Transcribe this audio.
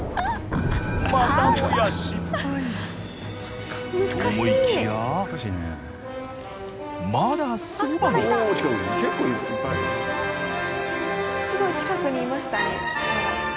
またもや失敗と思いきやまだそばにすごい近くにいましたね。